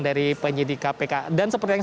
dari penyidik kpk dan seperti yang